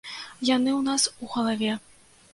Яны ў нас у галаве.